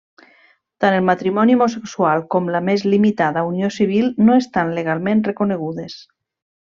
Tant el matrimoni homosexual com la més limitada unió civil, no estan legalment reconegudes.